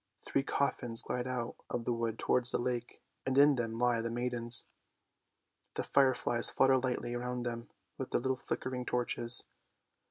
Three coffins glide out of the wood towards the lake, and in them lie the maidens. The fire flies flutter lightly round them with their little flickering torches.